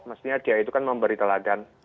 mestinya kiai itu kan memberi teladan